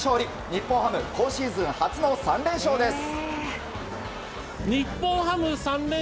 日本ハム、今シーズン初の３連勝です。